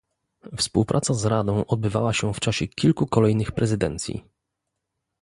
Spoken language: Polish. Współpraca z Radą odbywała się w czasie kilku kolejnych prezydencji